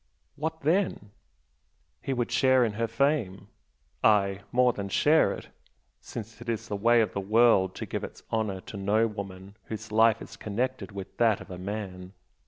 what then? He would share in her fame, aye, more than share it, since it is the way of the world to give its honour to no woman whose life is connected with that of a man.